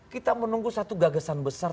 kita menunggu satu gagasan besar